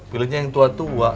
pilihnya yang tua tua